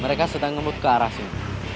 mereka sedang ngemut ke arah sini